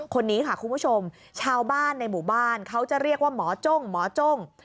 คนนี้ค่ะคุณผู้ชมชาวบ้านในหมู่บ้านเขาจะเรียกว่าหมอจ้งหมอจ้ง